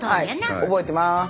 はい覚えてます。